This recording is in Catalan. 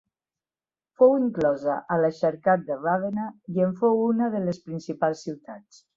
Fou inclosa a l'Exarcat de Ravenna, i en fou una de les principals ciutats.